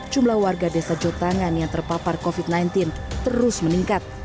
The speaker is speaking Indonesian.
jumlah warga desa jotangan yang terpapar covid sembilan belas terus meningkat